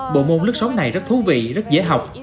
bộ môn lớp sống này rất thú vị rất dễ học